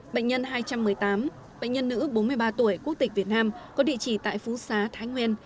bệnh nhân hai trăm một mươi tám bệnh nhân nữ bốn mươi ba tuổi quốc tịch việt nam có địa chỉ tại phú xá thái nguyên